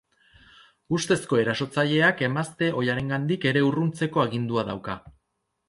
Ustezko erasotzaileak emazte ohiarengandik ere urruntzeko agindua dauka.